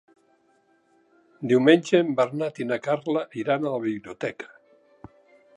Diumenge en Bernat i na Carla iran a la biblioteca.